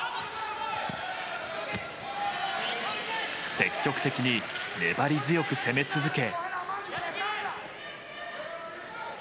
積極的に粘り強く攻め続け。